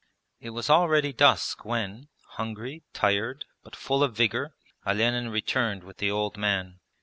It was already dusk when, hungry, tired, but full of vigour, Olenin returned with the old man.